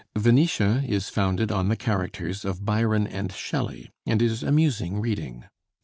'Venetia' is founded on the characters of Byron and Shelley, and is amusing reading.